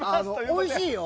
おいしいよ。